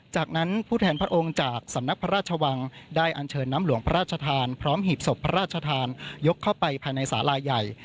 จากนั้นผู้แทนพระองค์จากสำนักพระราชวังได้อันเชิญน้ำหลวงพระราชทานพร้อมหีบศพพระราชทานยกเข้าไปภายในสาลาใหญ่